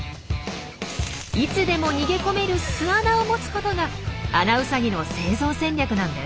いつでも逃げ込める巣穴を持つことがアナウサギの生存戦略なんです。